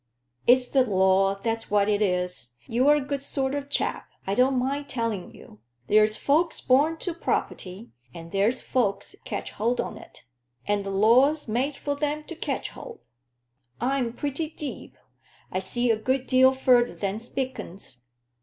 "It's the law that's what it is. You're a good sort of chap; I don't mind telling you. There's folks born to property, and there's folks catch hold on it; and the law's made for them to catch hold. I'm pretty deep; I see a good deal further than Spilkins.